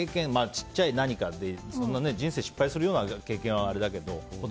ちっちゃい何かで人生失敗するような経験はあれだけど。